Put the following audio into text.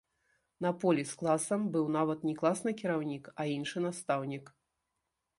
На поле з класам быў нават не класны кіраўнік, а іншы настаўнік.